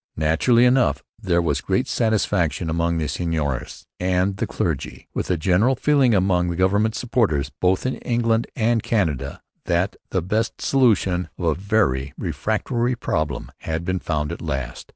Naturally enough, there was great satisfaction among the seigneurs and the clergy, with a general feeling among government supporters, both in England and Canada, that the best solution of a very refractory problem had been found at last.